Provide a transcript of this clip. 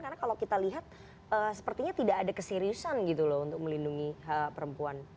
karena kalau kita lihat sepertinya tidak ada keseriusan gitu loh untuk melindungi hak perempuan